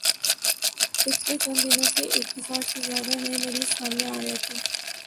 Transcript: پچھلے چند دنو ں سے ایک ہزار سے زیادہ نئے مریض سامنے آرہے تھے